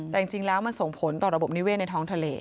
แต่จริงแล้วมันส่งผลต่อระบบนิเวศในท้องทะเล